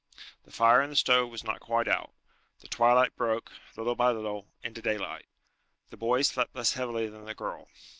The fire in the stove was not quite out. The twilight broke, little by little, into daylight. The boy slept less heavily than the girl.